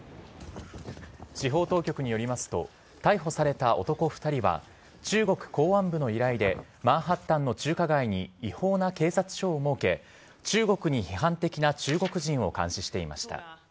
司法当局によりますと、逮捕された男２人は中国公安部の依頼で、マンハッタンの中華街に違法な警察署を設け、中国に批判的な中国人を監視していました。